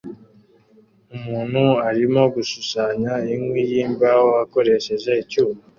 Umuntu arimo gushushanya inkwi yimbaho akoresheje icyuma